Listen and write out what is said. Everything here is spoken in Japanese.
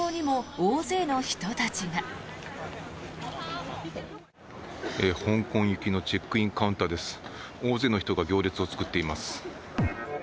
大勢の人が行列を作っています。